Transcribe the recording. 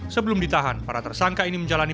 sebelum ditahan para tersangka ini menjalani